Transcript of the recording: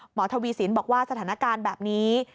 ทวีสินบอกว่าสถานการณ์แบบนี้